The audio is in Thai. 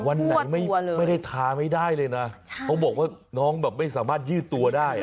วันไหนไม่ได้ทาไม่ได้เลยนะเขาบอกว่าน้องแบบไม่สามารถยืดตัวได้